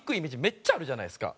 めっちゃあるじゃないですか。